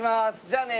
じゃあね。